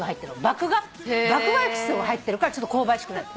麦芽エキスが入ってるからちょっと香ばしくなる。